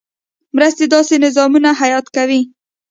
مرستې داسې نظامونه حیات کوي.